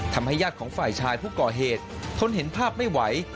ญาติของฝ่ายชายผู้ก่อเหตุทนเห็นภาพไม่ไหว